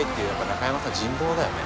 中山さんの人望だよね。